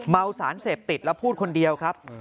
สารเสพติดแล้วพูดคนเดียวครับ